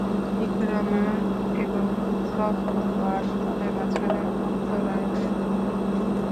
ইকরামা এবং সফওয়ান তাদের মাঝখানে অন্তরায় হয়ে দাঁড়ায়।